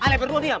eh ale berdua diam